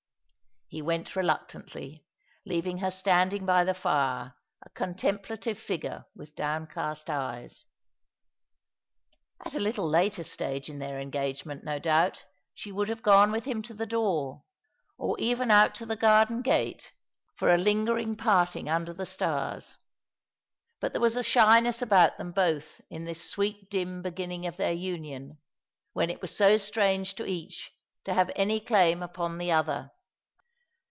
He went reluctantly, leaving her standing by the fire, a contemplative figure with downcast eyes. At a little later stage in their engagement no doubt she would have gone with him to the door, or even out to the garden gate, for a 2i6 All along the River, lingering parting under the stars — but there was a shyness about them both in this sweet dim beginning of their union, when it was so strange to each to have any claim ujDon tho other.